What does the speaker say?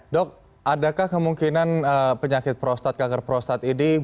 dok adakah kemungkinan penyakit prostat kanker prostat ini bisa kembali ke kanker